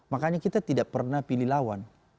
makanya kita tidak pernah pilih lawan